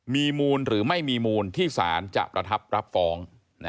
มีมูลหรือไม่มีมูลที่ศาลจะประทับรับฟ้อง